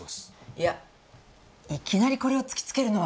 いやいきなりこれを突きつけるのは。